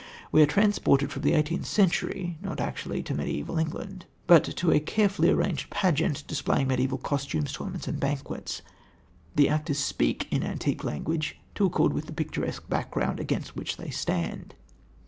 We are transported from the eighteenth century, not actually to mediaeval England, but to a carefully arranged pageant displaying mediaeval costumes, tournaments and banquets. The actors speak in antique language to accord with the picturesque background against which they stand.